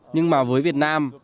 nhưng mà với việt nam